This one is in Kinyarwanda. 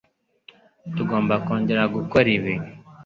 Tugomba kongera gukora ibi.